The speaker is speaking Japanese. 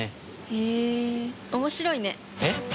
へえ面白いねえっ？